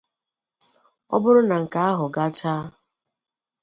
Ọ bụrụ na nke ahụ gachaa